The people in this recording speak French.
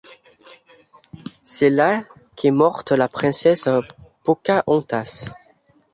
C'est là qu'est morte la princesse Pocahontas.